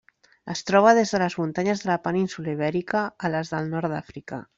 Es troba des de les muntanyes de la península Ibèrica a les del nord d'Àfrica.